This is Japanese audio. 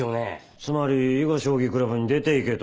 つまり囲碁将棋クラブに出ていけと？